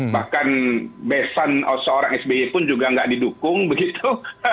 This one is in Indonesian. bahkan besan seorang sby pun juga nggak didukung begitu